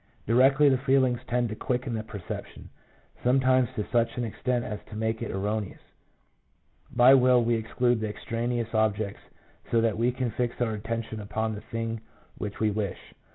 Directly the feelings tend to quicken the perception, sometimes to such an extent as to make it erroneous. By will we exclude the extraneous objects so that we can fix our atten tion upon the thing which we wish.